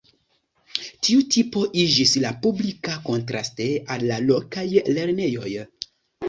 Tiu tipo iĝis la publika kontraste al la lokaj lernejoj.